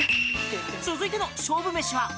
続いての勝負飯は。